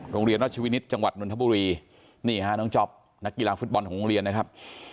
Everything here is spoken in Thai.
โรงเรียนราชวินิตจังหวัดนทบุรีนี่ฮะน้องจ๊อปนักกีฬาฟุตบอลของโรงเรียนนะครับ